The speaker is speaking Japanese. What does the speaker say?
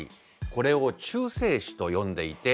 これを「中性子」と呼んでいて